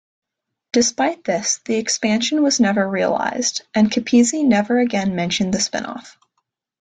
Despite this, the expansion was never realized, and Capizzi never again mentioned the spin-off.